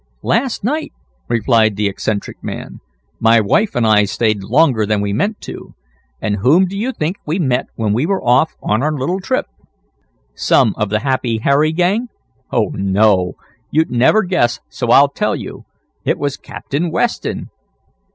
"Last night," replied the eccentric man. "My wife and I stayed longer than we meant to. And whom do you think we met when we were off on our little trip?" "Some of the Happy Harry gang?" "Oh no. You'd never guess, so I'll tell you. It was Captain Weston."